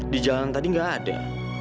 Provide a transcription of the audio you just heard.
di jalan tadi nggak ada